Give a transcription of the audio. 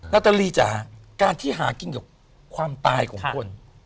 นัตตาลีจ่ะการที่หากินกับความตายของคน